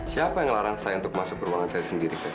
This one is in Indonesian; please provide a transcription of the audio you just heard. siapa yang ngelarang saya untuk masuk ke ruangan saya sendiri